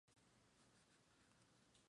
Hacia el este el Barranco de Formosa.